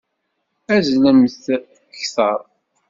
Azzlemt kteṛ!